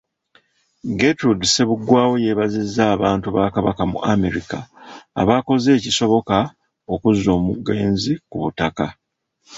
Getrude Ssebuggwawo yeebazizza abantu ba Kabaka mu America abakoze ekisoboka okuzza omugenzi ku butaka.